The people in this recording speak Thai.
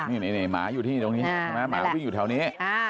นี่หมาอยู่ที่นี่ตรงนี้หมาวิ่งอยู่แถวนี้